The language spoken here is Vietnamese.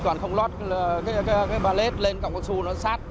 còn không lót cái bà lết lên cọng cao su nó sát